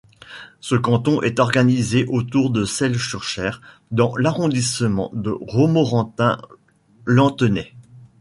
Ce canton est organisé autour de Selles-sur-Cher dans l'arrondissement de Romorantin-Lanthenay.